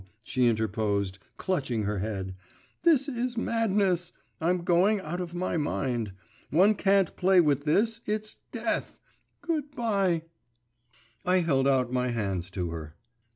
she interposed, clutching her head. 'This is madness I'm going out of my mind.… One can't play with this it's death.… Good bye.…' I held out my hands to her.